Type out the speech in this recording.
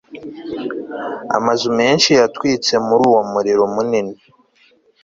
Amazu menshi yatwitse muri uwo muriro munini